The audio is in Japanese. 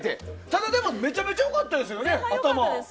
ただ、でもめちゃめちゃ良かったですよね頭。